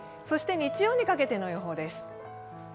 日曜にかけての予報です。